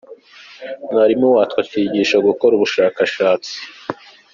Mwarimu wacu atwigisha gukora ubushakashatsi.